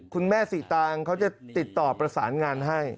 คุณแม่สีตางเขาจะติดต่อประสานงานให้